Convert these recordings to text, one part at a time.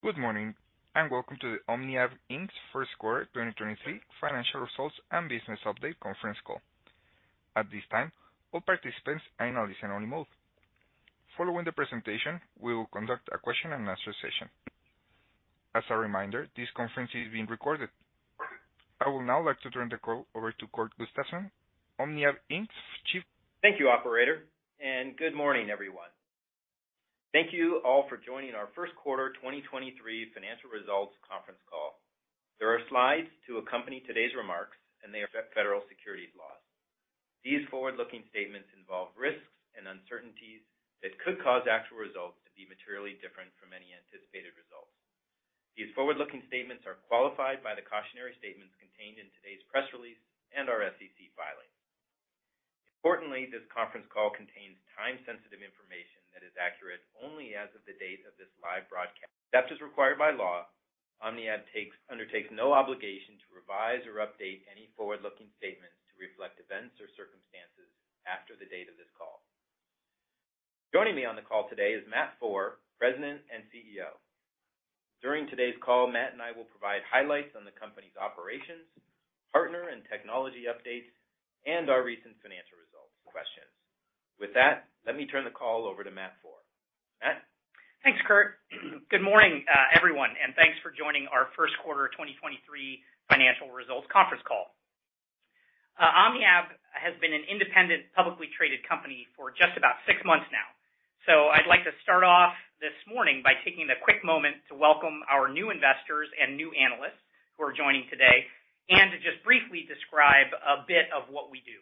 Good morning, welcome to the OmniAb Inc.'s first quarter 2023 financial results and business update conference call. At this time, all participants are in a listen only mode. Following the presentation, we will conduct a question and answer session. As a reminder, this conference is being recorded. I would now like to turn the call over to Kurt Gustafson, OmniAb Inc.'s Thank you, operator. Good morning, everyone. Thank you all for joining our first quarter 2023 financial results conference call. There are slides to accompany today's remarks, and they affect federal securities laws. These forward-looking statements involve risks and uncertainties that could cause actual results to be materially different from any anticipated results. These forward-looking statements are qualified by the cautionary statements contained in today's press release and our SEC filings. Importantly, this conference call contains time-sensitive information that is accurate only as of the date of this live broadcast. As is required by law, OmniAb undertakes no obligation to revise or update any forward-looking statements to reflect events or circumstances after the date of this call. Joining me on the call today is Matt Foehr, President and CEO. During today's call, Matt and I will provide highlights on the company's operations, partner and technology updates, and our recent financial results questions. With that, let me turn the call over to Matt Foehr. Matt. Thanks, Kurt. Good morning, everyone, and thanks for joining our first quarter 2023 financial results conference call. OmniAb has been an independent, publicly traded company for just about six months now, I'd like to start off this morning by taking a quick moment to welcome our new investors and new analysts who are joining today and to just briefly describe a bit of what we do.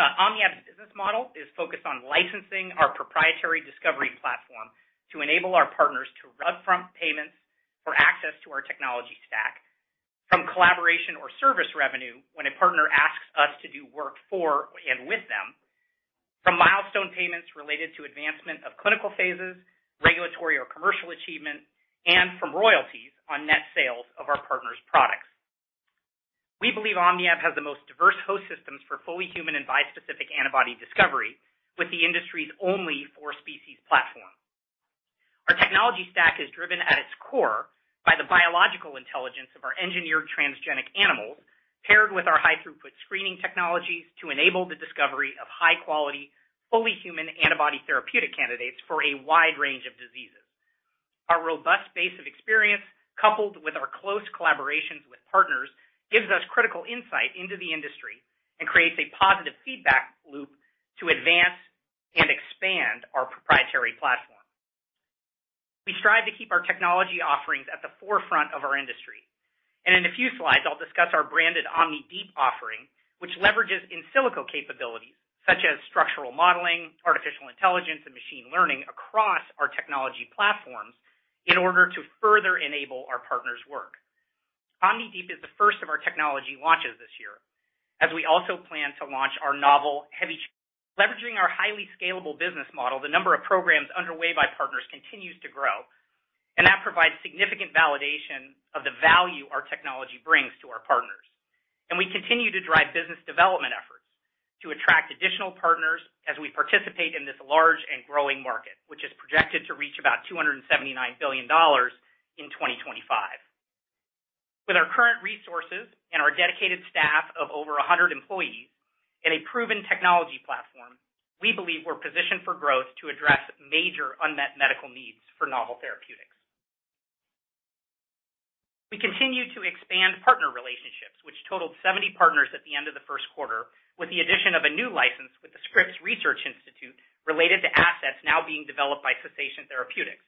OmniAb's business model is focused on licensing our proprietary discovery platform to enable our partners to upfront payments for access to our technology stack from collaboration or service revenue when a partner asks us to do work for and with them, from milestone payments related to advancement of clinical phases, regulatory or commercial achievement, and from royalties on net sales of our partners' products. We believe OmniAb has the most diverse host systems for fully human and bispecific antibody discovery with the industry's only four species platform. Our technology stack is driven at its core by the biological intelligence of our engineered transgenic animals, paired with our high throughput screening technologies to enable the discovery of high quality, fully human antibody therapeutic candidates for a wide range of diseases. Our robust base of experience, coupled with our close collaborations with partners, gives us critical insight into the industry and creates a positive feedback loop to advance and expand our proprietary platform. In a few slides, I'll discuss our branded OmniDeep offering, which leverages in silico capabilities such as structural modeling, artificial intelligence, and machine learning across our technology platforms in order to further enable our partners' work. OmniDeep is the first of our technology launches this year, as we also plan to launch our novel heavy... Leveraging our highly scalable business model, the number of programs underway by partners continues to grow, that provides significant validation of the value our technology brings to our partners. We continue to drive business development efforts to attract additional partners as we participate in this large and growing market, which is projected to reach about $279 billion in 2025. With our current resources and our dedicated staff of over 100 employees in a proven technology platform, we believe we're positioned for growth to address major unmet medical needs for novel therapeutics. We continue to expand partner relationships, which totaled 70 partners at the end of the first quarter, with the addition of a new license with the Scripps Research Institute related to assets now being developed by Cessation Therapeutics.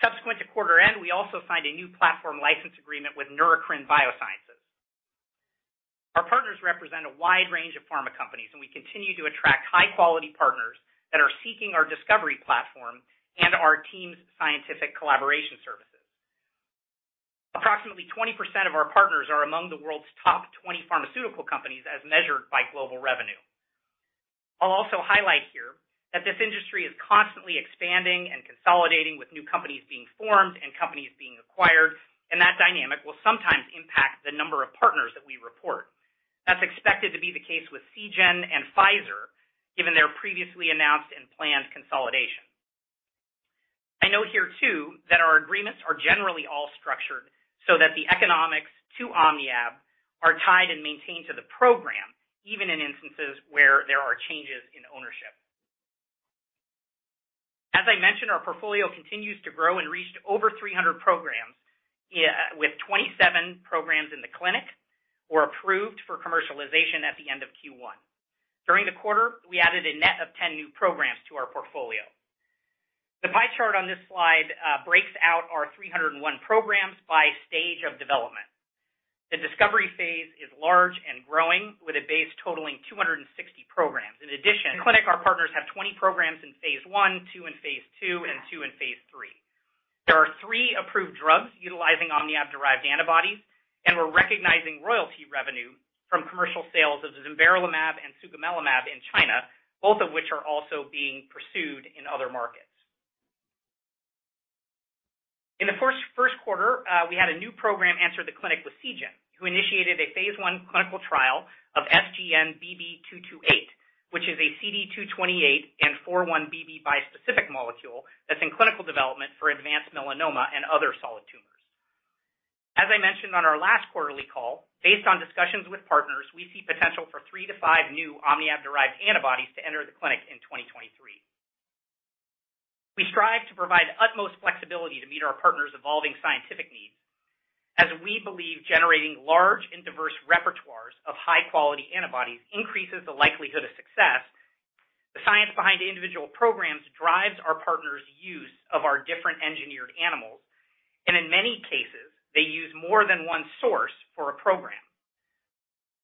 Subsequent to quarter end, we also signed a new platform license agreement with Neurocrine Biosciences. Our partners represent a wide range of pharma companies, and we continue to attract high-quality partners that are seeking our discovery platform and our team's scientific collaboration services. Approximately 20% of our partners are among the world's top 20 pharmaceutical companies as measured by global revenue. I'll also highlight here that this industry is constantly expanding and consolidating, with new companies being formed and companies being acquired, and that dynamic will sometimes impact the number of partners that we report. That's expected to be the case with Seagen and Pfizer, given their previously announced and planned consolidation. I note here too that our agreements are generally all structured so that the economics to OmniAb are tied and maintained to the program, even in instances where there are changes in ownership. As I mentioned, our portfolio continues to grow and reached over 300 programs, with 27 programs in the clinic or approved for commercialization at the end of Q1. During the quarter, we added a net of 10 new programs to our portfolio. The pie chart on this slide breaks out our 301 programs by stage of development. The discovery phase is large and growing, with a base totaling 260 programs. In the clinic, our partners have 20 programs in phase I, II in phase II, and II in phase III. There are three approved drugs utilizing OmniAb-derived antibodies, and we're recognizing royalty revenue from commercial sales of Zimberelimab and sugemalimab in China, both of which are also being pursued in other markets. In the first quarter, we had a new program enter the clinic with Seagen, who initiated a phase I clinical trial of SGN-BB228, which is a CD228 and 4-1BB bispecific molecule that's in clinical development for advanced melanoma and other solid tumors. As I mentioned on our last quarterly call, based on discussions with partners, we see potential for three to five new OmniAb-derived antibodies to enter the clinic in 2023. We strive to provide utmost flexibility to meet our partners' evolving scientific needs, as we believe generating large and diverse repertoires of high-quality antibodies increases the likelihood of success. The science behind individual programs drives our partners' use of our different engineered animals, and in many cases, they use more than one source for a program.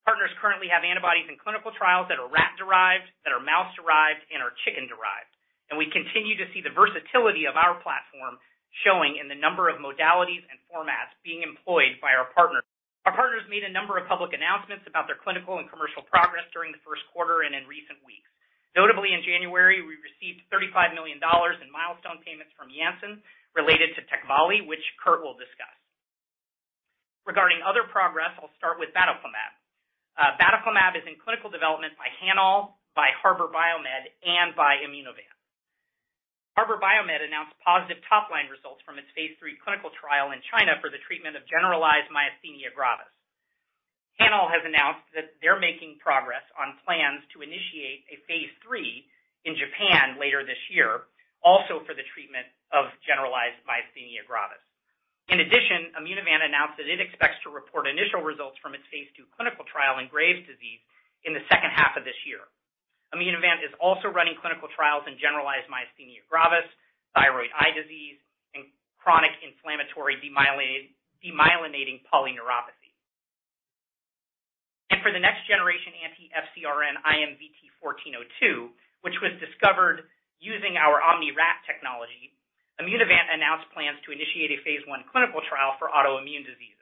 Partners currently have antibodies in clinical trials that are rat-derived, that are mouse-derived, and are chicken-derived, and we continue to see the versatility of our platform showing in the number of modalities and formats being employed by our partners. Our partners made a number of public announcements about their clinical and commercial progress during the first quarter and in recent weeks. Notably, in January, we received $35 million in milestone payments from Janssen related to TECVAYLI, which Kurt will discuss. Regarding other progress, I'll start with Batoclimab. Batoclimab is in clinical development by HanAll, by Harbour BioMed, and by Immunovant. Harbour BioMed announced positive top-line results from its phase three clinical trial in China for the treatment of generalized myasthenia gravis. HanAll has announced that they're making progress on plans to initiate a phase three in Japan later this year, also for the treatment of generalized myasthenia gravis. In addition, Immunovant announced that it expects to report initial results from its phase two clinical trial in Graves' disease in the second half of this year. Immunovant is also running clinical trials in generalized myasthenia gravis, thyroid eye disease, and chronic inflammatory demyelinating polyneuropathy. For the next generation anti-FcRn IMVT-1402, which was discovered using our OmniRat technology, Immunovant announced plans to initiate a phase one clinical trial for autoimmune diseases.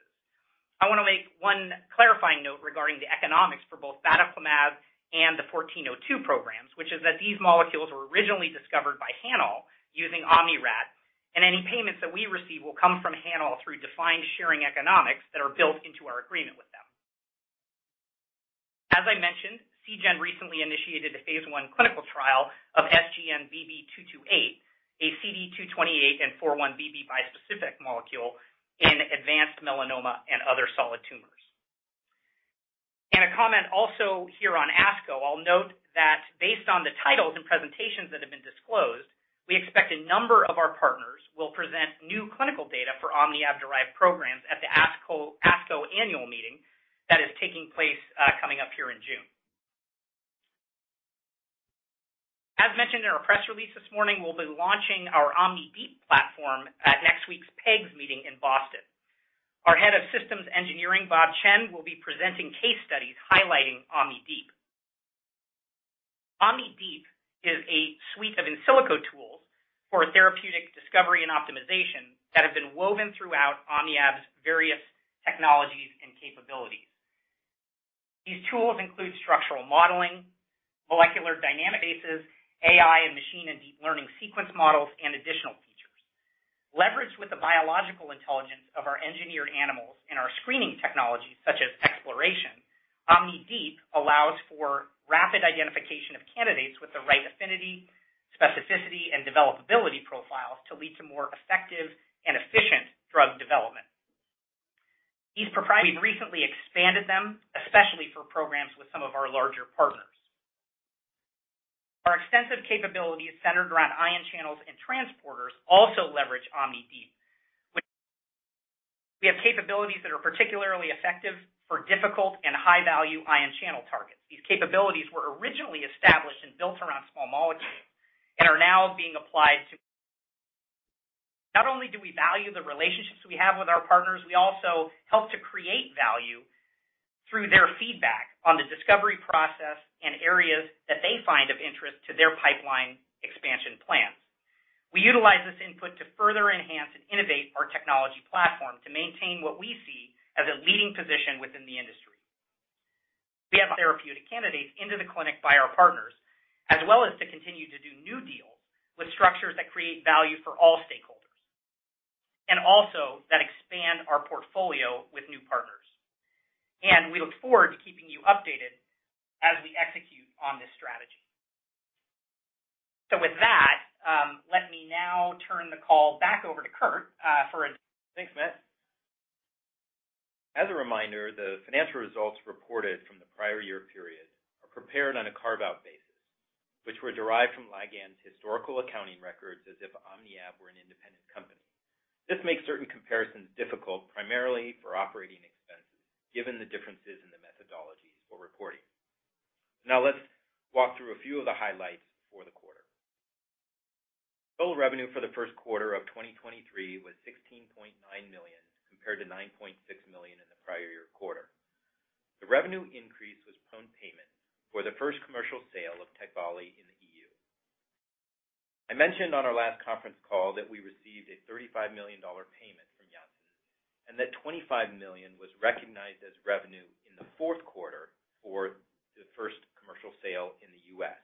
I want to make one clarifying note regarding the economics for both Batoclimab and the IMVT-1402 programs, which is that these molecules were originally discovered by HanAll using OmniRat. Any payments that we receive will come from HanAll through defined sharing economics that are built into our agreement with them. As I mentioned, Seagen recently initiated a phase I clinical trial of SGN-BB228, a CD228 and 4-1BB bispecific molecule in advanced melanoma and other solid tumors. A comment also here on ASCO, I'll note that based on the titles and presentations that have been disclosed, we expect a number of our partners will present new clinical data for OmniAb-derived programs at the ASCO annual meeting that is taking place coming up here in June. As mentioned in our press release this morning, we'll be launching our OmniDeep platform at next week's PEGS meeting in Boston. Our Head of Systems Engineering, Bob Chen, will be presenting case studies highlighting OmniDeep. OmniDeep is a suite of in silico tools for therapeutic discovery and optimization that have been woven throughout OmniAb's various technologies and capabilities. These tools include structural modeling, molecular dynamic bases, AI and machine and deep learning sequence models, and additional features. Leveraged with the biological intelligence of our engineered animals and our screening technologies such as xPloration, OmniDeep allows for rapid identification of candidates with the right affinity, specificity, and developability profiles to lead to more effective and efficient drug development. We've recently expanded them, especially for programs with some of our larger partners. Our extensive capabilities centered around ion channels and transporters also leverage OmniDeep. We have capabilities that are particularly effective for difficult and high-value ion channel targets. These capabilities were originally established and built around small molecules and are now being applied to. Not only do we value the relationships we have with our partners, we also help to create value through their feedback on the discovery process and areas that they find of interest to their pipeline expansion plans. We utilize this input to further enhance and innovate our technology platform to maintain what we see as a leading position within the industry. We have therapeutic candidates into the clinic by our partners, as well as to continue to do new deals with structures that create value for all stakeholders, and also that expand our portfolio with new partners. We look forward to keeping you updated as we execute on this strategy. With that, let me now turn the call back over to Kurt, for. Thanks, Matt. As a reminder, the financial results reported from the prior year period are prepared on a carve-out basis, which were derived from Ligand's historical accounting records as if OmniAb were an independent company. This makes certain comparisons difficult, primarily for operating expenses, given the differences in the methodologies for reporting. Let's walk through a few of the highlights for the quarter. Total revenue for the first quarter of 2023 was $16.9 million, compared to $9.6 million in the prior year quarter. The revenue increase was upon payment for the first commercial sale of TECVAYLI in the EU. I mentioned on our last conference call that we received a $35 million payment That $25 million was recognized as revenue in the fourth quarter for the first commercial sale in the U.S.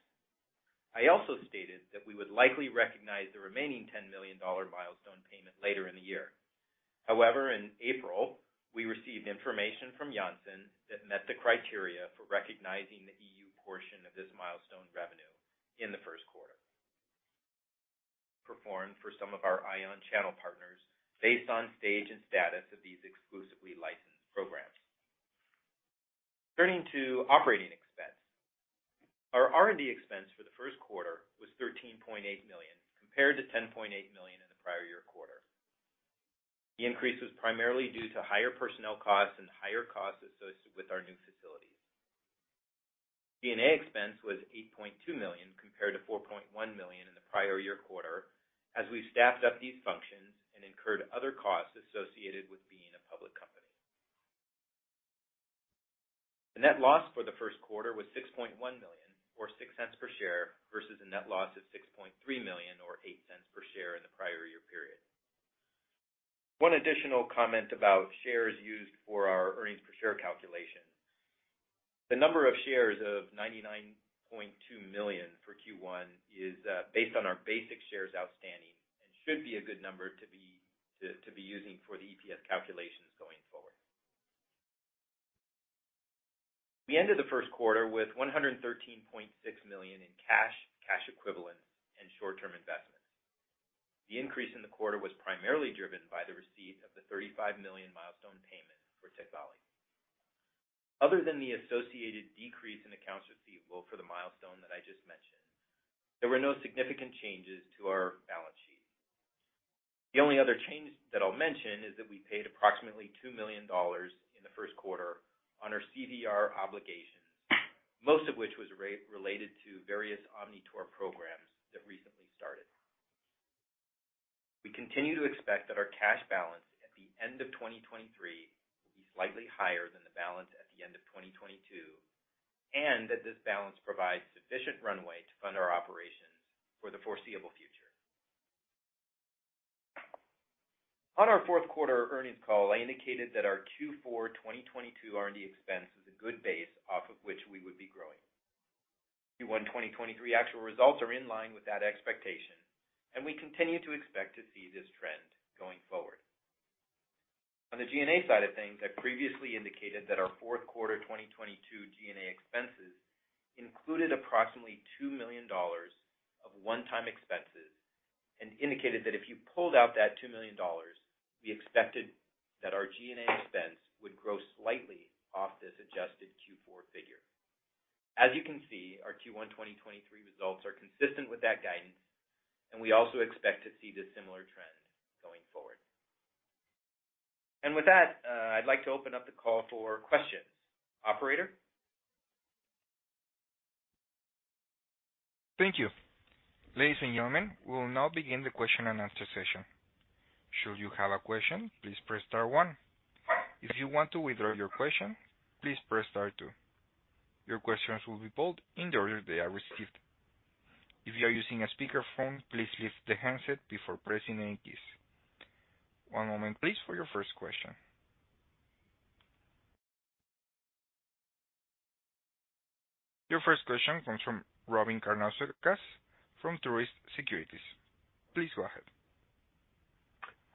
I also stated that we would likely recognize the remaining $10 million milestone payment later in the year. However, in April, we received information from Janssen that met the criteria for recognizing the EU portion of this milestone revenue in the first quarter. Performed for some of our ion channel partners based on stage and status of these exclusively licensed programs. Turning to operating expense. Our R&D expense for the first quarter was $13.8 million, compared to $10.8 million in the prior-year quarter. The increase was primarily due to higher personnel costs and higher costs associated with our new facilities. G&A expense was $8.2 million, compared to $4.1 million in the prior year quarter as we staffed up these functions and incurred other costs associated with being a public company. The net loss for the first quarter was $6.1 million or $0.06 per share versus a net loss of $6.3 million or $0.08 per share in the prior year period. One additional comment about shares used for our earnings per share calculation. The number of shares of 99.2 million for Q1 is based on our basic shares outstanding and should be a good number to be using for the EPS calculations going forward. We ended the first quarter with $113.6 million in cash equivalents, and short-term investments. The increase in the quarter was primarily driven by the receipt of the $35 million milestone payment for TECVAYLI. Other than the associated decrease in accounts receivable for the milestone that I just mentioned, there were no significant changes to our balance sheet. The only other change that I'll mention is that we paid approximately $2 million in the first quarter on our CDR obligations, most of which was related to various OmniTaur programs that recently started. We continue to expect that our cash balance at the end of 2023 will be slightly higher than the balance at the end of 2022, and that this balance provides sufficient runway to fund our operations for the foreseeable future. On our fourth quarter earnings call, I indicated that our Q4 2022 R&D expense was a good base off of which we would be growing. Q1 2023 actual results are in line with that expectation. We continue to expect to see this trend going forward. On the G&A side of things, I previously indicated that our fourth quarter 2022 G&A expenses included approximately $2 million of one-time expenses. We indicated that if you pulled out that $2 million, we expected that our G&A expense would grow slightly off this adjusted Q4 figure. As you can see, our Q1 2023 results are consistent with that guidance. We also expect to see this similar trend going forward. With that, I'd like to open up the call for questions. Operator? Thank you. Ladies and gentlemen, we will now begin the question and answer session. Should you have a question, please press star one. If you want to withdraw your question, please press star two. Your questions will be pulled in the order they are received. If you are using a speakerphone, please lift the handset before pressing any keys. One moment please for your first question. Your first question comes from Robyn Karnauskas from Truist Securities. Please go ahead.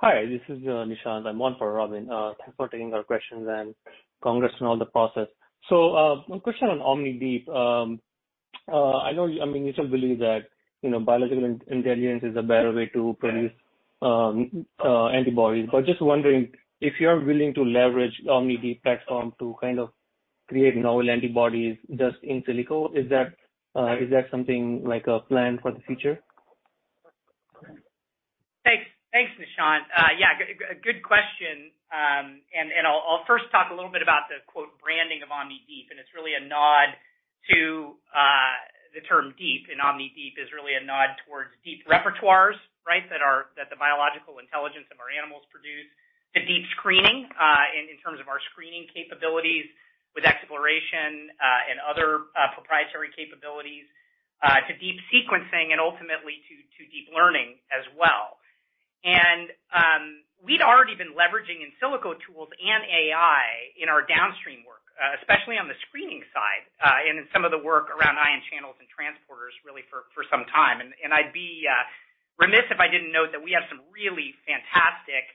Hi, this is Nishant. I'm on for Robin. Thanks for taking our questions, and congrats on all the process. One question on OmniDeep. I know I mean, you still believe that, you know, biological in-intelligence is a better way to produce antibodies. Just wondering if you're willing to leverage OmniDeep platform to kind of create novel antibodies just in silico. Is that something like a plan for the future? Thanks. Thanks, Nishant. Yeah, good question. I'll first talk a little bit about the quote branding of OmniDeep, and it's really a nod to the term deep. OmniDeep is really a nod towards deep repertoires, right? That the biological intelligence of our animals produce to deep screening, in terms of our screening capabilities with xPloration, and other proprietary capabilities, to deep sequencing and ultimately to deep learning as well. We'd already been leveraging in silico tools and AI in our downstream work, especially on the screening side, and in some of the work around ion channels and transporters really for some time. I'd be remiss if I didn't note that we have some really fantastic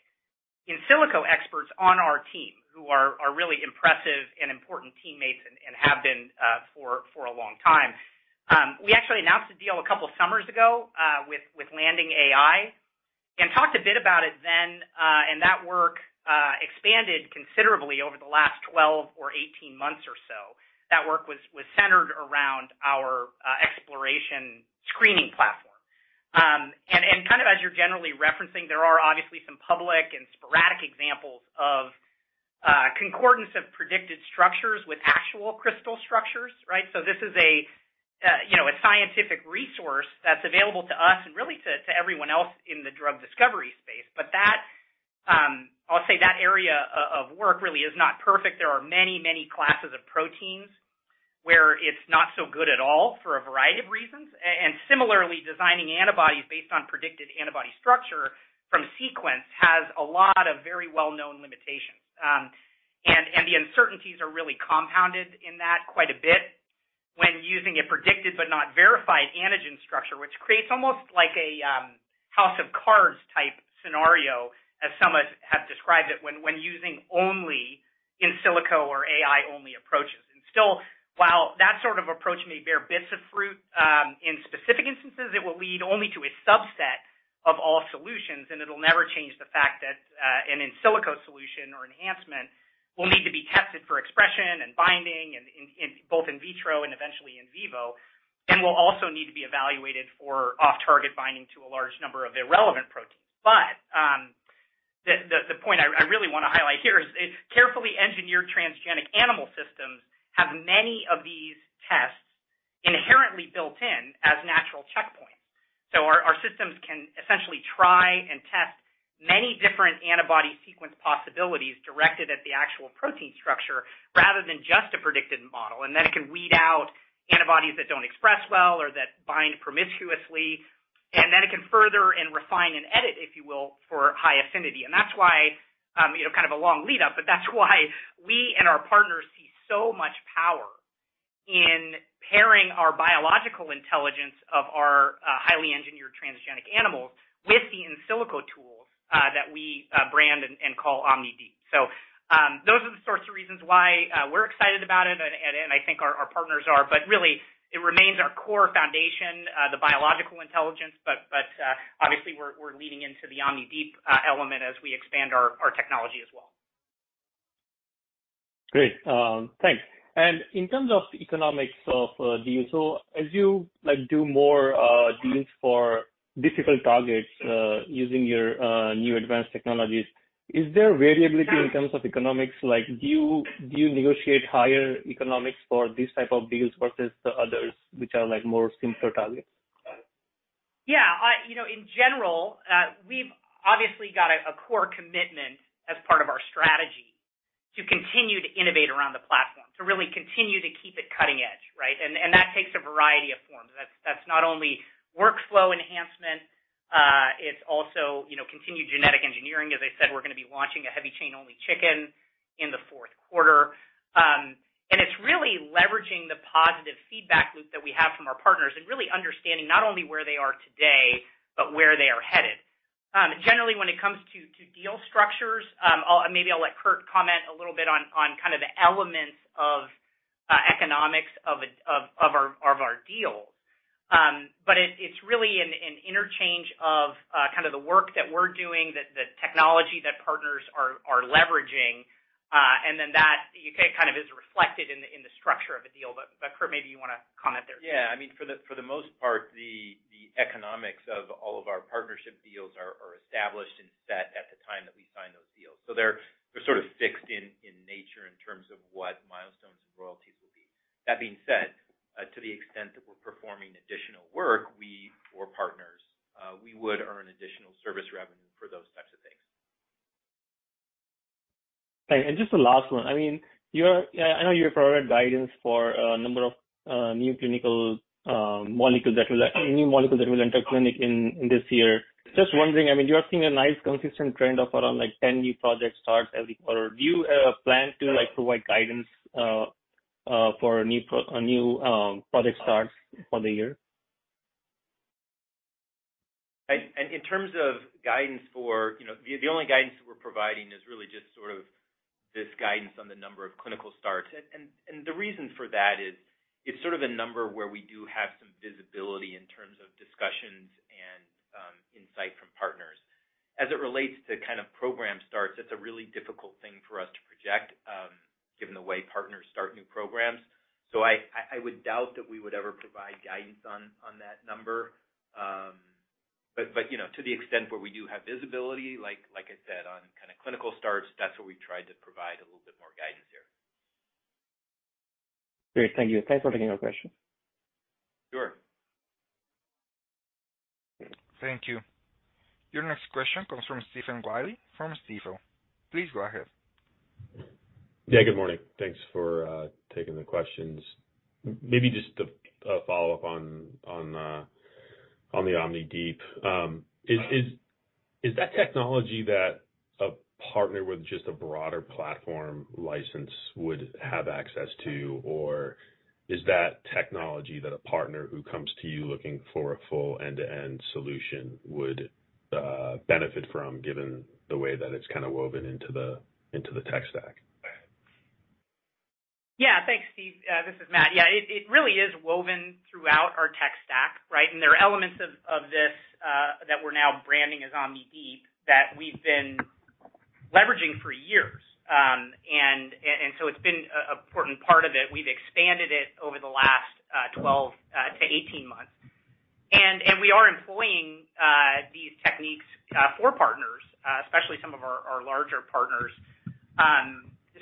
in silico experts on our team who are really impressive and important teammates and have been for a long time. We actually announced a deal a couple summers ago with LandingAI and talked a bit about it then and that work expanded considerably over the last 12 or 18 months or so. That work was centered around our xPloration screening platform. Kind of as you're generally referencing, there are obviously some public and sporadic examples of concordance of predicted structures with actual crystal structures, right? This is a, you know, a scientific resource that's available to us and really to everyone else in the drug discovery space. That, I'll say that area of work really is not perfect. There are many, many classes of proteins Where it's not so good at all for a variety of reasons. Similarly, designing antibodies based on predicted antibody structure from sequence has a lot of very well-known limitations. The uncertainties are really compounded in that quite a bit when using a predicted but not verified antigen structure, which creates almost like a house of cards type scenario, as some have described it, when using only in silico or AI-only approaches. While that sort of approach may bear bits of fruit, in specific instances, it will lead only to a subset of all solutions, and it'll never change the fact that an in silico solution or enhancement will need to be tested for expression and binding and in both in vitro and eventually in vivo, and will also need to be evaluated for off-target binding to a large number of irrelevant proteins. The point I really wanna highlight here is carefully engineered transgenic animal systems have many of these tests inherently built in as natural checkpoints. Our systems can essentially try and test many different antibody sequence possibilities directed at the actual protein structure rather than just a predicted model. It can weed out antibodies that don't express well or that bind promiscuously, and then it can further and refine and edit, if you will, for high affinity. That's why, you know, kind of a long lead-up, but that's why we and our partners see so much power in pairing our biological intelligence of our highly engineered transgenic animals with the in silico tools that we brand and call OmniDeep. Those are the sorts of reasons why we're excited about it and I think our partners are. Really it remains our core foundation, the biological intelligence, but obviously we're leading into the OmniDeep element as we expand our technology as well. Great. Thanks. In terms of economics of deals, as you, like, do more deals for difficult targets, using your new advanced technologies, is there variability in terms of economics? Like, do you negotiate higher economics for these type of deals versus the others, which are like more simpler targets? You know, in general, we've obviously got a core commitment as part of our strategy to continue to innovate around the platform, to really continue to keep it cutting edge, right? That takes a variety of forms. That's not only workflow enhancement, it's also, you know, continued genetic engineering. As I said, we're gonna be launching a heavy chain-only chicken in the fourth quarter. It's really leveraging the positive feedback loop that we have from our partners and really understanding not only where they are today but where they are headed. Generally, when it comes to deal structures, maybe I'll let Kurt comment a little bit on kind of the elements of economics of our deals. It's really an interchange of, kind of the work that we're doing, the technology that partners are leveraging, and then that you kind of is reflected in the structure of a deal. But Kurt, maybe you wanna comment there. Yeah. I mean, for the most part, the economics of all of our partnership deals are established and set at the time that we sign those deals. They're sort of fixed in nature in terms of what milestones and royalties will be. That being said, to the extent that we're performing additional work, we or partners, we would earn additional service revenue for those types of things. Okay. Just the last one. I mean, I know you provided guidance for a number of new molecules that will enter clinic in this year. Just wondering, I mean, you are seeing a nice consistent trend of around like 10 new project starts every quarter. Do you plan to like provide guidance for new project starts for the year? In terms of guidance for... You know, the only guidance that we're providing is really just sort of this guidance on the number of clinical starts. The reason for that is it's sort of a number where we do have some visibility in terms of discussions and insight from partners. As it relates to kind of program starts, that's a really difficult thing for us to project, given the way partners start new programs. I would doubt that we would ever provide guidance on that number. But, you know, to the extent where we do have visibility, like I said, on kind of clinical starts, that's where we tried to provide a little bit more guidance there. Great. Thank you. Thanks for taking our questions. Sure. Thank you. Your next question comes from Stephen Willey from Stifel. Please go ahead. Yeah, good morning. Thanks for taking the questions. Maybe just a follow-up on on the OmniDeep. Is that technology that a partner with just a broader platform license would have access to, or is that technology that a partner who comes to you looking for a full end-to-end solution would benefit from given the way that it's kinda woven into the into the tech stack? Yeah. Thanks, Steve. This is Matt. Yeah, it really is woven throughout our tech stack, right? There are elements of this that we're now branding as OmniDeep that we've been leveraging for years. And so it's been a important part of it. We've expanded it over the last 12-18 months. We are employing these techniques for partners, especially some of our larger partners.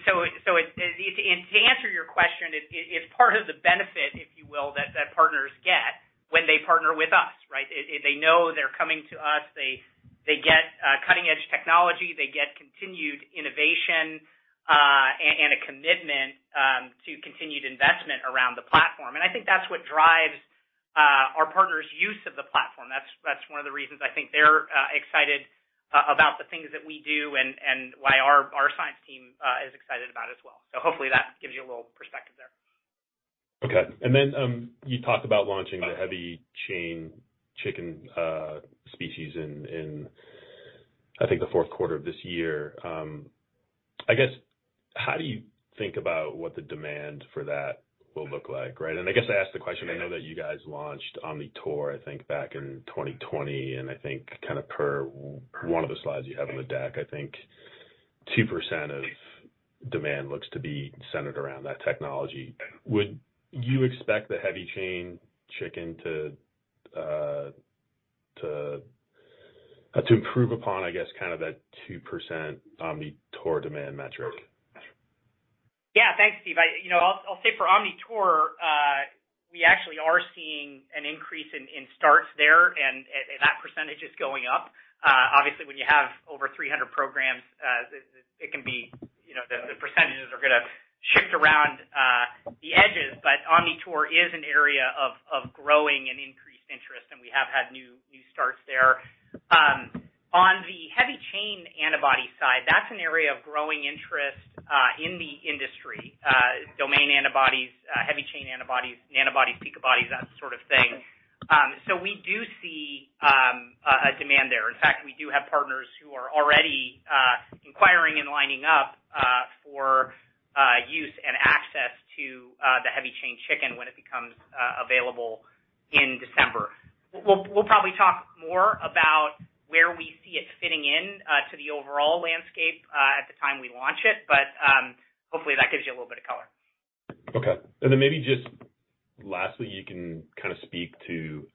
To answer your question, it's part of the benefit, if you will, that partners get when they partner with us, right? They know they're coming to us, they get cutting-edge technology. They get continued innovation, and a commitment to continued investment around the platform. I think that's what drives our partners' use of the platform. That's one of the reasons I think they're excited about the things that we do and why our science team is excited about as well. Hopefully that gives you a little perspective there. Okay. You talked about launching the heavy chain chicken species in, I think the fourth quarter of this year. I guess, how do you think about what the demand for that will look like, right? I guess I ask the question, I know that you guys launched OmniTaur, I think, back in 2020, and I think kind of per one of the slides you have on the deck, I think 2% of demand looks to be centered around that technology. Would you expect the heavy chain chicken to improve upon, I guess, kind of that 2% OmniTaur demand metric? Thanks, Steve. I, you know, I'll say for OmniTaur, we actually are seeing an increase in starts there and that percentage is going up. Obviously, when you have over 300 programs, it can be, you know, the percent are gonna shift around the edges. OmniTaur is an area of growing and increased interest, and we have had new starts there. On the heavy chain antibody side, that's an area of growing interest in the industry, domain antibodies, heavy chain antibodies, nanobodies, BiCos, that sort of thing. We do see a demand there. In fact, we do have partners who are already inquiring and lining up for use and access to the heavy chain chicken when it becomes available in December. We'll probably talk more about where we see it fitting in to the overall landscape at the time we launch it, but hopefully, that gives you a little bit of color. Okay. Maybe just lastly, you can kinda speak to,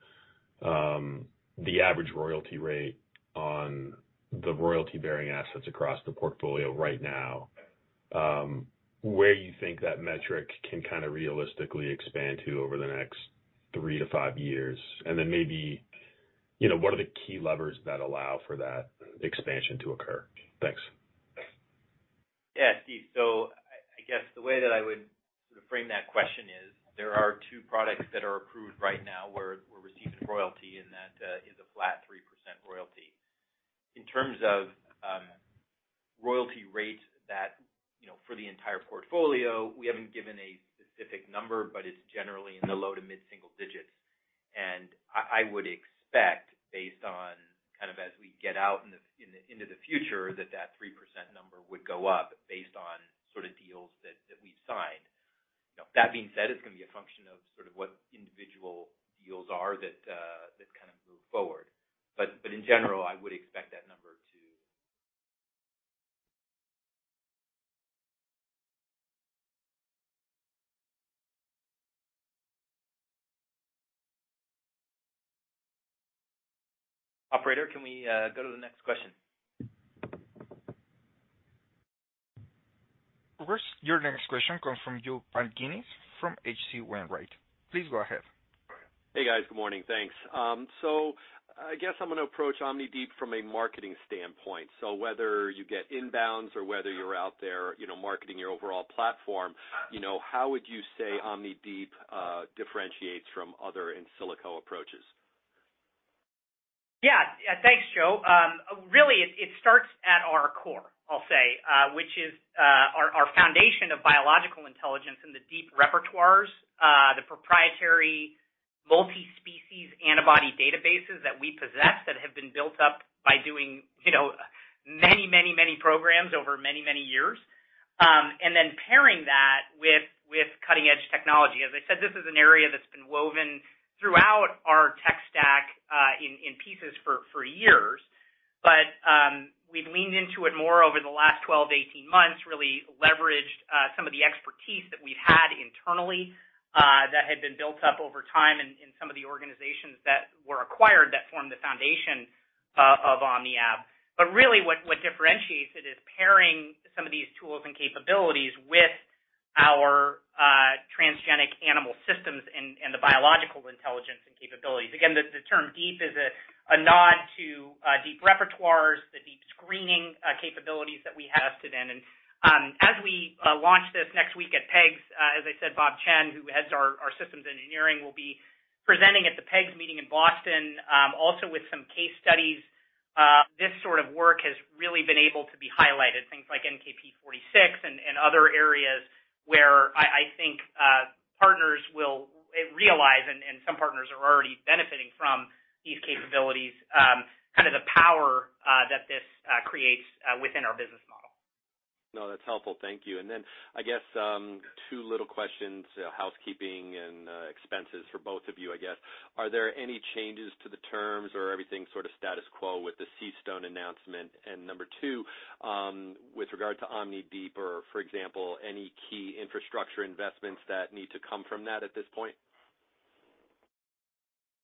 the average royalty rate on the royalty-bearing assets across the portfolio right now, where you think that metric can kinda realistically expand to over the next three-five years. Maybe, you know, what are the key levers that allow for that expansion to occur? Thanks. Yeah, Steve. I guess the way that I would sort of frame that question is, there are two products that are approved right now where we're receiving royalty, and that is a flat 3% royalty. In terms of royalty rates that, you know, for the entire portfolio, we haven't given a specific number, but it's generally in the low to mid-single digits. I would expect based on kind of as we get out into the future, that 3% number would go up based on sort of deals that we've signed. You know, that being said, it's gonna be a function of sort of what individual deals are that kind of move forward. In general, I would expect that number to... Operator, can we go to the next question? Of course. Your next question comes from Joseph Pantginis from H.C. Wainwright. Please go ahead. Hey, guys. Good morning. Thanks. I guess I'm gonna approach OmniDeep from a marketing standpoint. Whether you get inbounds or whether you're out there, you know, marketing your overall platform, you know, how would you say OmniDeep differentiates from other in silico approaches? Yeah. Yeah. Thanks, Joe. Really it starts at our core, I'll say, which is, our foundation of biological intelligence and the deep repertoires, the proprietary multi-species antibody databases that we possess that have been built up by doing, you know, many, many, many programs over many, many years. Then pairing that with cutting-edge technology. As I said, this is an area that's been woven throughout our tech stack, in pieces for years. We've leaned into it more over the last 12-18 months, really leveraged, some of the expertise that we've had internally, that had been built up over time in some of the organizations that were acquired that formed the foundation of OmniAb. Really what differentiates it is pairing some of these tools and capabilities with our transgenic animal systems and the biological intelligence and capabilities. Again, the term deep is a nod to deep repertoires, the deep screening capabilities that we have today. As we launch this next week at PEGS, as I said, Bob Chen, who heads our systems engineering, will be presenting at the PEGS meeting in Boston, also with some case studies. This sort of work has really been able to be highlighted, things like NKp46 and other areas where I think partners will realize, and some partners are already benefiting from these capabilities, kind of the power that this creates within our business model. No, that's helpful. Thank you. I guess, two little questions, housekeeping and expenses for both of you, I guess. Are there any changes to the terms or everything sort of status quo with the SystImmune announcement? Number two, with regard to OmniDeep or, for example, any key infrastructure investments that need to come from that at this point?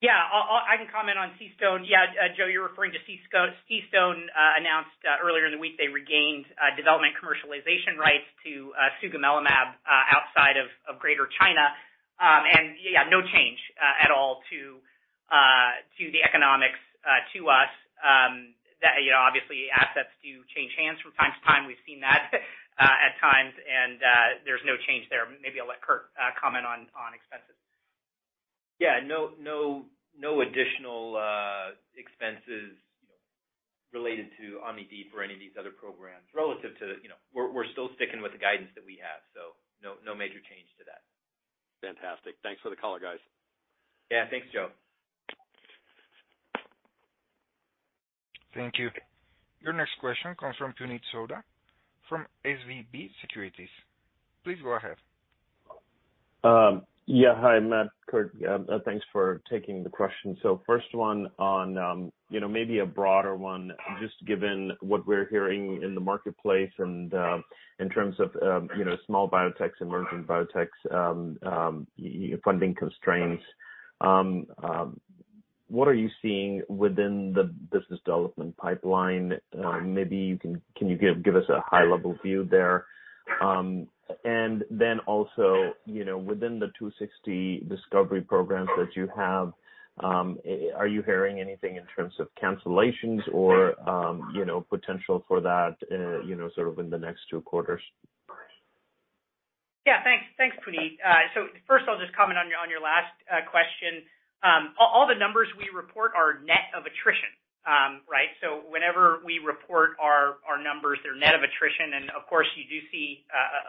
I'll I can comment on SystImmune. Joe, you're referring to SystImmune announced earlier in the week they regained development commercialization rights to sugemalimab outside of Greater China. No change at all to the economics to us, that, you know, obviously assets do change hands from time to time. We've seen that at times and there's no change there. Maybe I'll let Kurt comment on expenses. No, no additional expenses, you know, related to OmniDeep or any of these other programs relative to, you know. We're still sticking with the guidance that we have, so no major change to that. Fantastic. Thanks for the color, guys. Yeah, thanks, Joe. Thank you. Your next question comes from Puneet Souda from SVB Securities. Please go ahead. Yeah. Hi, Matt, Kurt. Thanks for taking the question. First one on, you know, maybe a broader one, just given what we're hearing in the marketplace and, in terms of, you know, small biotechs, emerging biotechs, funding constraints. What are you seeing within the business development pipeline? Maybe you can give us a high level view there? Then also, you know, within the 260 discovery programs that you have, are you hearing anything in terms of cancellations or, you know, potential for that, you know, sort of in the next two quarters? Yeah, thanks. Thanks, Puneet. First of all, just comment on your last question. All the numbers we report are net of attrition. Right. Whenever we report our numbers, they're net of attrition and of course, you do see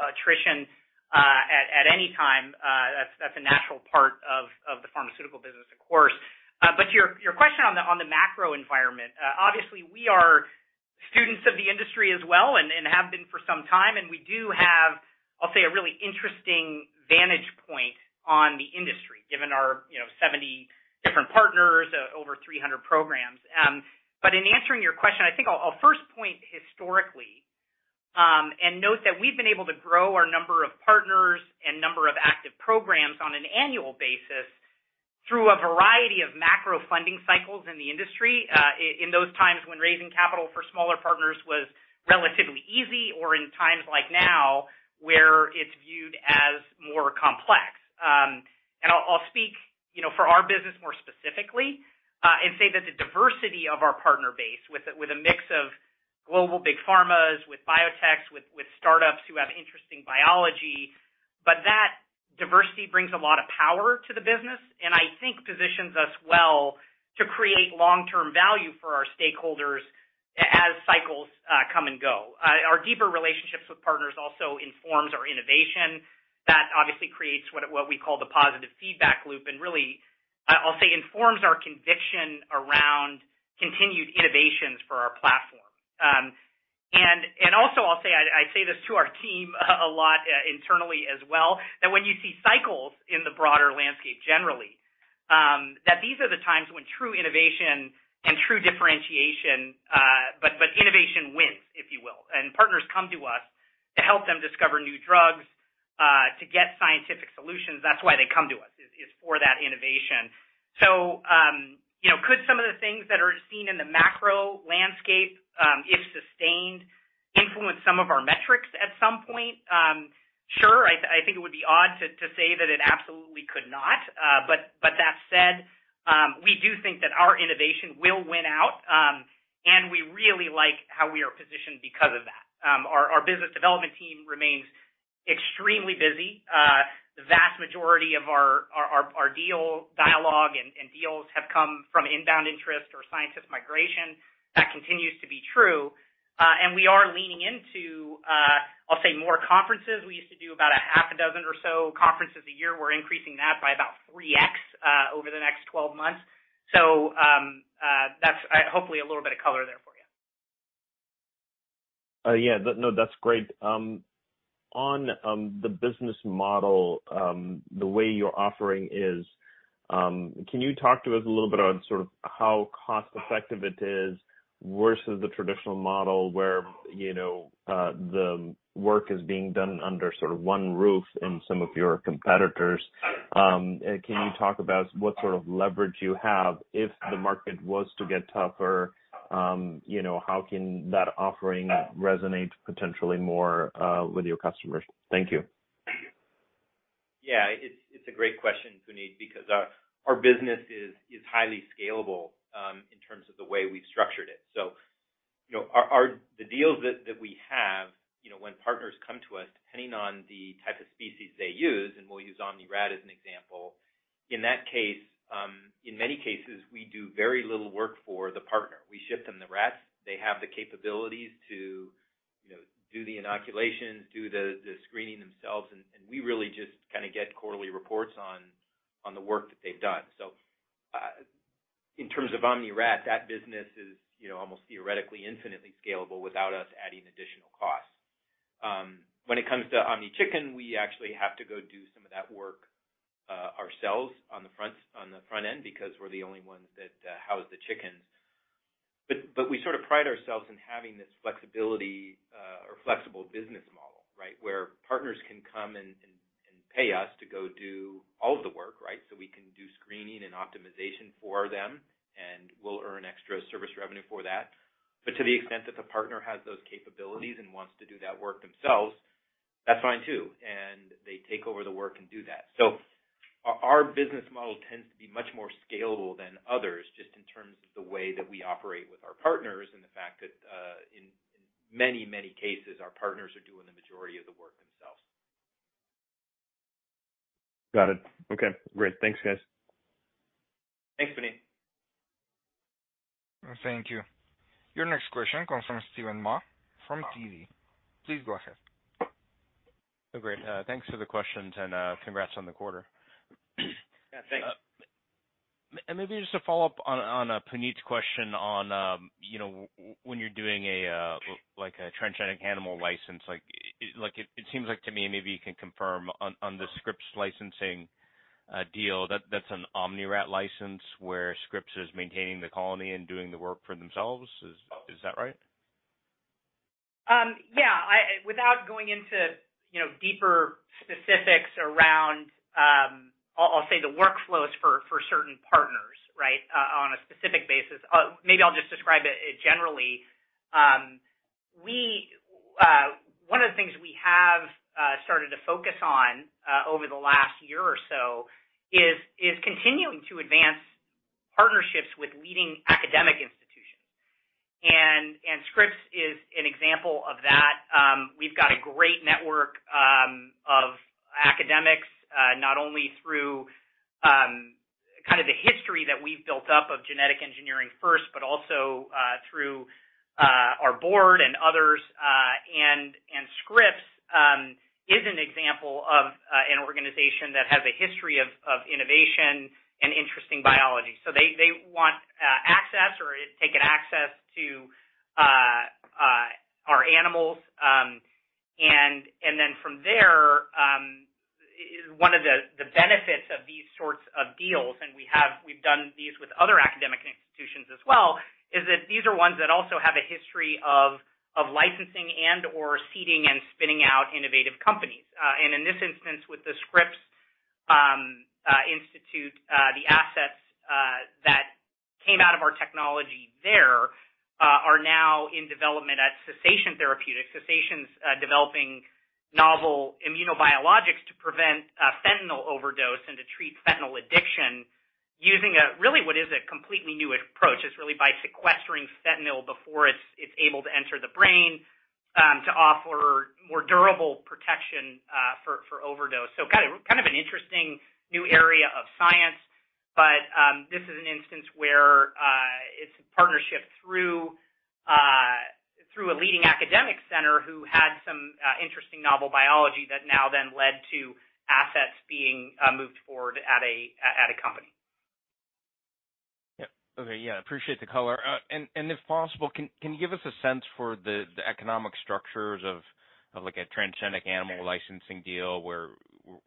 attrition, at any time, that's a natural part of the pharmaceutical business, of course. Your question on the macro environment, obviously we are students of the industry as well and have been for some time, and we do have, I'll say, a really interesting vantage point on the industry, given our, you know, 70 different partners, over 300 programs. In answering your question, I think I'll first point historically, and note that we've been able to grow our number of partners and number of active programs on an annual basis through a variety of macro funding cycles in the industry. In those times when raising capital for smaller partners was relatively easy or in times like now where it's viewed as more complex. And I'll speak, you know, for our business more specifically, and say that the diversity of our partner base with a, with a mix of global big pharmas, with biotechs, with startups who have interesting biology, but that diversity brings a lot of power to the business and I think positions us well to create long-term value for our stakeholders as cycles come and go. Our deeper relationships with partners also informs our innovation. That obviously creates what we call the positive feedback loop and really, I'll say informs our conviction around continued innovations for our platform. Also, I'll say I say this to our team a lot internally as well, that when you see cycles in the broader landscape generally, that these are the times when true innovation and true differentiation, but innovation wins, if you will. Partners come to us to help them discover new drugs, to get scientific solutions. That's why they come to us, is for that innovation. You know, could some of the things that are seen in the macro landscape, if sustained, influence some of our metrics at some point? Sure. I think it would be odd to say that it absolutely could not. That said, we do think that our innovation will win out, and we really like how we are positioned because of that. Our business development team remains extremely busy. The vast majority of our deal dialogue and deals have come from inbound interest or scientist migration. That continues to be true. We are leaning into, I'll say more conferences. We used to do about a half a dozen or so conferences a year. We're increasing that by about three X over the next 12 months. That's hopefully a little bit of color there for you. Yeah. No, that's great. On the business model, the way you're offering is, can you talk to us a little bit on sort of how cost-effective it is versus the traditional model where, you know, the work is being done under sort of one roof in some of your competitors? Can you talk about what sort of leverage you have if the market was to get tougher? You know, how can that offering resonate potentially more with your customers? Thank you. It's a great question, Puneet, because our business is highly scalable in terms of the way we've structured it. You know, our. The deals that we have, you know, when partners come to us, depending on the type of species they use, and we'll use OmniRat as an example. In that case, in many cases, we do very little work for the partner. We ship them the rats. They have the capabilities to, you know, do the inoculations, do the screening themselves, and we really just kinda get quarterly reports on the work that they've done. In terms of OmniRat, that business is, you know, almost theoretically infinitely scalable without us adding additional costs. When it comes to OmniChicken, we actually have to go do some of that work, ourselves on the front end because we're the only ones that, house the chickens. We sort of pride ourselves in having this flexibility, or flexible business model, right? Where partners can come and pay us to go do. Right. We can do screening and optimization for them, and we'll earn extra service revenue for that. To the extent that the partner has those capabilities and wants to do that work themselves, that's fine too. They take over the work and do that. Our business model tends to be much more scalable than others just in terms of the way that we operate with our partners and the fact that in many, many cases, our partners are doing the majority of the work themselves. Got it. Okay, great. Thanks, guys. Thanks, Puneet. Thank you. Your next question comes from Stephen Ma from TD. Please go ahead. Oh, great. thanks for the questions and, congrats on the quarter. Yeah, thanks. Maybe just a follow-up on Puneet's question on, you know, when you're doing a like a transgenic animal license, like it seems like to me, maybe you can confirm on the Scripps licensing deal, that's an OmniRat license where Scripps is maintaining the colony and doing the work for themselves. Is that right? Yeah. Without going into, you know, deeper specifics around, I'll say the workflows for certain partners, right, on a specific basis. Maybe I'll just describe it generally. One of the things we have started to focus on over the last year or so is continuing to advance partnerships with leading academic institutions. Scripps is an example of that. We've got a great network of academics, not only through kind of the history that we've built up of genetic engineering first, but also through our board and others. Scripps is an example of an organization that has a history of innovation and interesting biology. They want access or taken access to our animals. From there, one of the benefits of these sorts of deals, and we've done these with other academic institutions as well, is that these are ones that also have a history of licensing and/or seeding and spinning out innovative companies. In this instance, with the Scripps Institute, the assets that came out of our technology there are now in development at Cessation Therapeutics. Cessation's developing novel immunobiologics to prevent fentanyl overdose and to treat fentanyl addiction using a really what is a completely new approach. It's really by sequestering fentanyl before it's able to enter the brain to offer more durable protection for overdose. Kind of an interesting new area of science. This is an instance where it's a partnership through a leading academic center who had some interesting novel biology that now then led to assets being moved forward at a company. Yeah. Okay. Yeah, appreciate the color. If possible, can you give us a sense for the economic structures of, like, a transgenic animal licensing deal where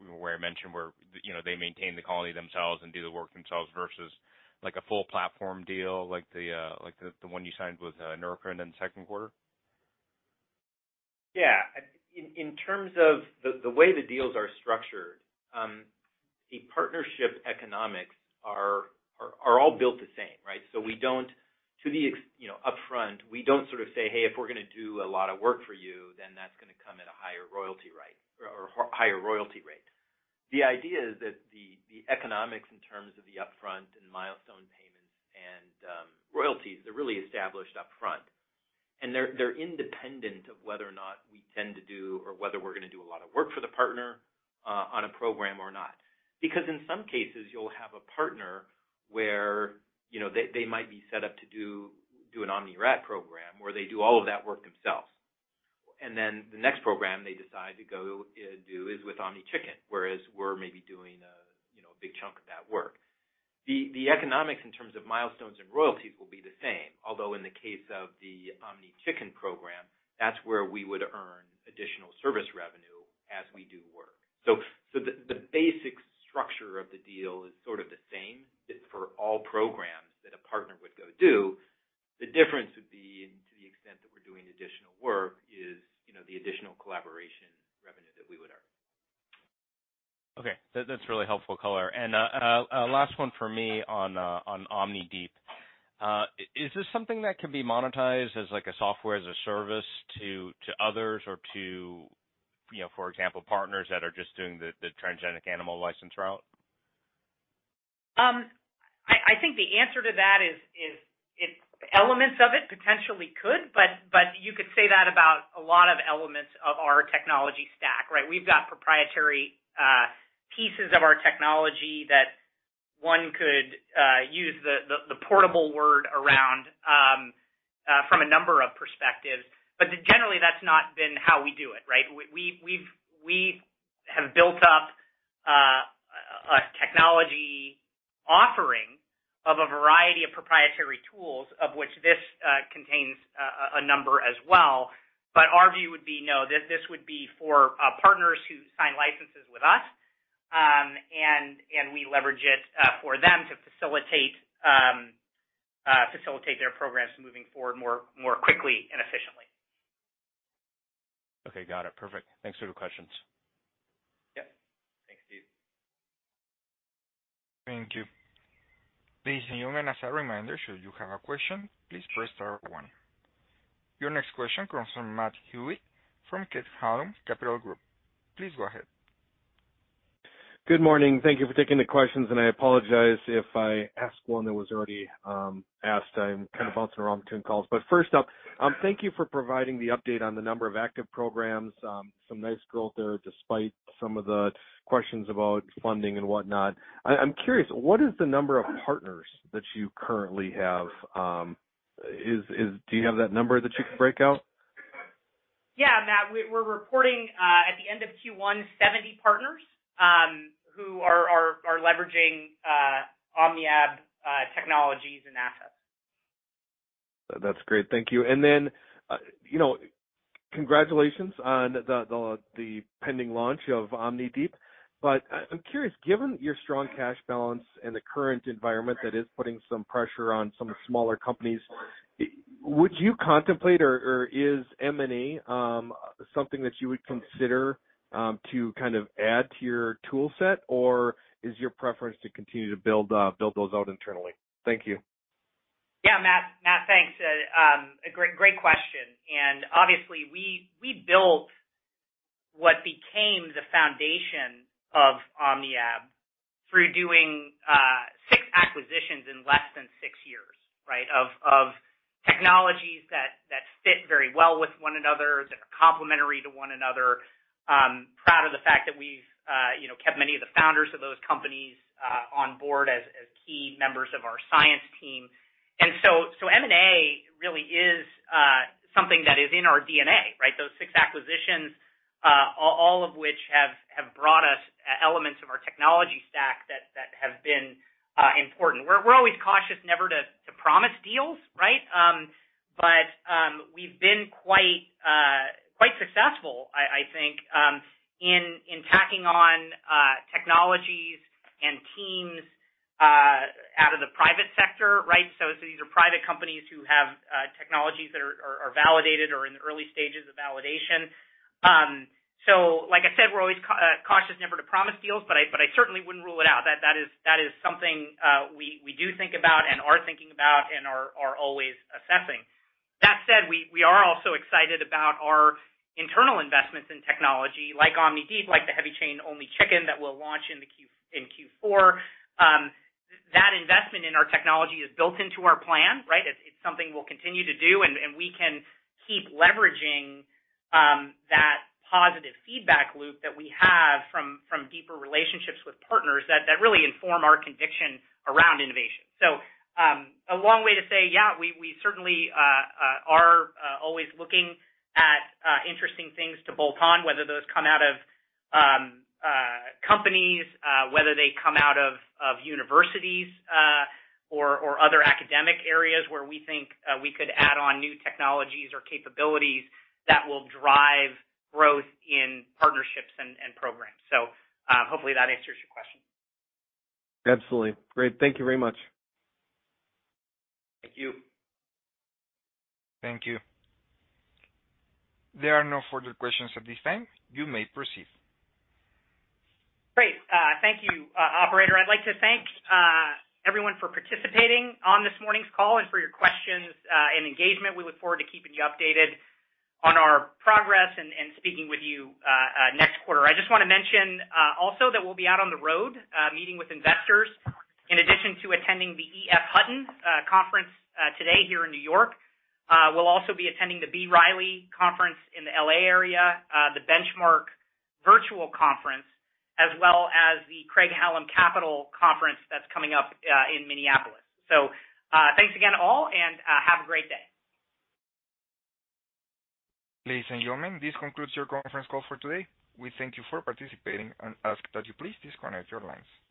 I mentioned where, you know, they maintain the colony themselves and do the work themselves versus, like, a full platform deal like the one you signed with Neurocrine in the second quarter? In terms of the way the deals are structured, the partnership economics are all built the same, right? We don't, you know, upfront, we don't sort of say, "Hey, if we're gonna do a lot of work for you, then that's gonna come at a higher royalty rate or higher royalty rate." The idea is that the economics in terms of the upfront and milestone payments and royalties are really established upfront, and they're independent of whether or not we tend to do or whether we're gonna do a lot of work for the partner on a program or not. Because in some cases, you'll have a partner where, you know, they might be set up to do an OmniRat program, where they do all of that work themselves. The next program they decide to go do is with OmniChicken, whereas we're maybe doing, you know, a big chunk of that work. The economics in terms of milestones and royalties will be the same. Although in the case of the OmniChicken program, that's where we would earn additional service revenue as we do work. The basic structure of the deal is sort of the same for all programs that a partner would go do. The difference would be to the extent that we're doing additional work is, you know, the additional collaboration revenue that we would earn. Okay. That's really helpful color. Last one for me on OmniDeep. Is this something that can be monetized as like a software, as a service to others or to, you know, for example, partners that are just doing the transgenic animal license route? I think the answer to that is it. Elements of it potentially could, but you could say that about a lot of elements of our technology stack, right? We've got proprietary pieces of our technology that one could use the portable word around from a number of perspectives. Generally, that's not been how we do it, right? We have built up a technology offering of a variety of proprietary tools, of which this contains a number as well. Our view would be no, this would be for partners who sign licenses with us, and we leverage it for them to facilitate their programs moving forward more quickly and efficiently. Okay, got it. Perfect. Thanks for the questions. Yep. Thanks, Steve. Thank you. Please join me and as a reminder, should you have a question, please press star one. Your next question comes from Matthew Hewitt from Craig-Hallum Capital Group. Please go ahead. Good morning. Thank you for taking the questions. I apologize if I ask one that was already asked. I'm kind of bouncing around between calls. First up, thank you for providing the update on the number of active programs, some nice growth there, despite some of the questions about funding and whatnot. I'm curious, what is the number of partners that you currently have? Do you have that number that you can break out? Yeah, Matt, We're reporting, at the end of Q1, 70 partners, who are leveraging OmniAb technologies and assets. That's great. Thank you. Then, you know, congratulations on the pending launch of OmniDeep. I'm curious, given your strong cash balance and the current environment that is putting some pressure on some smaller companies, would you contemplate or is M&A something that you would consider to kind of add to your tool set? Or is your preference to continue to build those out internally? Thank you. Yeah. Matt, thanks. A great question. Obviously we built what became the foundation of OmniAb through doing six acquisitions in less than six years, right? Of technologies that fit very well with one another, that are complementary to one another. Proud of the fact that we've, you know, kept many of the founders of those companies on board as key members of our science team. So M&A really is something that is in our DNA, right? Those six acquisitions, all of which have brought us elements of our technology stack that have been important. We're always cautious never to promise deals, right? We've been quite successful, I think, in tacking on technologies and teams out of the private sector, right? These are private companies who have technologies that are validated or in the early stages of validation. Like I said, we're always cautious never to promise deals, but I certainly wouldn't rule it out. That is something we do think about and are thinking about and are always assessing. That said, we are also excited about our internal investments in technology like OmniDeep, like the heavy chain only chicken that we'll launch in Q4. That investment in our technology is built into our plan, right? It's something we'll continue to do, and we can keep leveraging that positive feedback loop that we have from deeper relationships with partners that really inform our conviction around innovation. A long way to say, yeah, we certainly are always looking at interesting things to bolt on, whether those come out of companies, whether they come out of universities, or other academic areas where we think we could add on new technologies or capabilities that will drive growth in partnerships and programs. Hopefully that answers your question. Absolutely. Great. Thank you very much. Thank you. Thank you. There are no further questions at this time. You may proceed. Great. Thank you, operator. I'd like to thank everyone for participating on this morning's call and for your questions and engagement. We look forward to keeping you updated on our progress and speaking with you next quarter. I just wanna mention also that we'll be out on the road meeting with investors. In addition to attending the EF Hutton conference today here in New York, we'll also be attending the B. Riley conference in the L.A. area, the Benchmark Virtual Conference, as well as the Craig-Hallum Capital conference that's coming up in Minneapolis. Thanks again all, have a great day. Ladies and gentlemen, this concludes your conference call for today. We thank you for participating and ask that you please disconnect your lines.